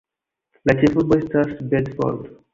La ĉefurbo estas Bedford.